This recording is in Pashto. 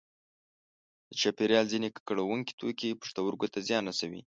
د چاپیریال ځینې ککړوونکي توکي پښتورګو ته زیان رسوي.